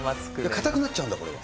硬くなっちゃうんだ、これは。